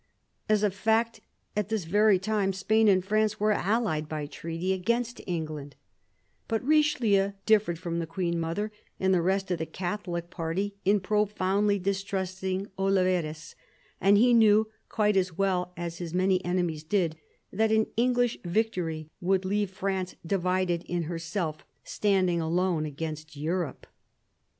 As a fact, at this very time, Spain and France were allied by treaty against England ; but Richelieu differed from the Queen mother and the rest of the Catholic party in profoundly distrusting Olivarez ; and he knew, quite as well as his many enemies did, that an English victory would leave France, divided in herself, standing alone against Europe.